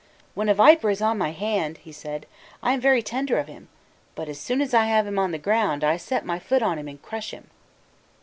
"When a viper is on my hand," he said, "I am very tender of him; but, as soon as I have him on the ground, I set my foot on him and crush him."